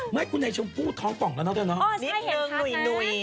ไม่คุณไอ้ชมพู่ท้องป่องแล้วเนาะนิดนึงหนุ่ย